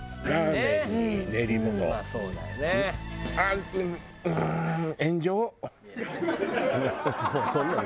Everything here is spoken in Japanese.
まあそうだよね。